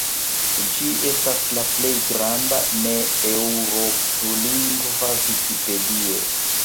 Ĝi estas la plej granda ne-eŭroplingva vikipedio.